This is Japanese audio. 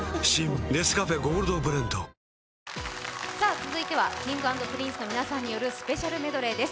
続いてはＫｉｎｇ＆Ｐｒｉｎｃｅによるスペシャルメドレーです。